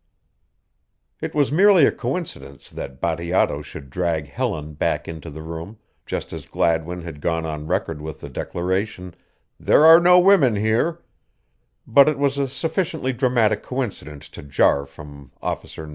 It was merely a coincidence that Bateato should drag Helen back into the room just as Gladwin had gone on record with the declaration, "There are no women here," but it was a sufficiently dramatic coincidence to jar from Officer No.